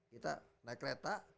kita naik kereta